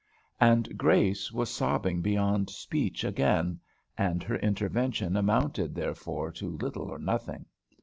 And Grace was sobbing beyond speech again; and her intervention amounted, therefore, to little or nothing.